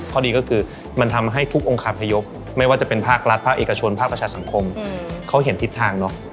พอดีก็คือมันทำให้ทุกองคารพยพไม่ว่าจะเป็นภาครัฐภาคเอกชนภาคประชาสังคมเขาเห็นทิศทางเนอะ